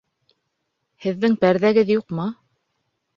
Һеҙҙең пәрҙәгеҙ юҡмы?